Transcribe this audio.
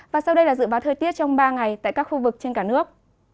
và sau đây là dự báo thời tiết trong ba ngày tại các khu vực trên cả nước